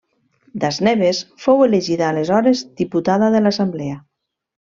Das Neves fou elegida aleshores diputada de l'Assemblea.